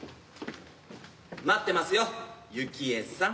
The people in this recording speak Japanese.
待ってますよ幸恵さん。